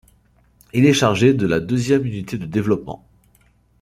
Il est chargé de la deuxième unité de développement.